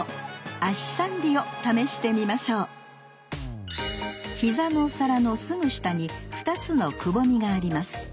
「足三里」を試してみましょう膝のお皿のすぐ下に２つのくぼみがあります。